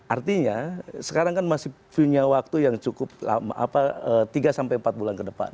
artinya sekarang kan masih punya waktu yang cukup tiga sampai empat bulan ke depan